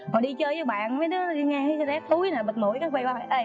hồi đi chơi với bạn mấy đứa đi ngang rác túi này bịt mũi các bây bai hỏi